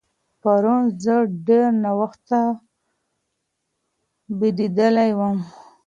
پرون زه ډېر ناوخته بېدېدلی وم.